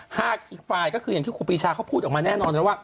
อีกฝ่ายก็คืออย่างที่ครูปีชาเขาพูดออกมาแน่นอนแล้วว่า